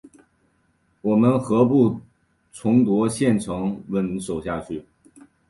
我们何不重夺县城稳守下去？